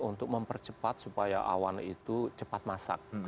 untuk mempercepat supaya awan itu cepat masak